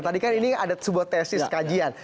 tadi kan ini ada sebuah tesis kajian